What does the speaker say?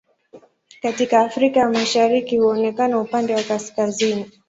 Katika Afrika ya Mashariki huonekana upande wa kaskazini.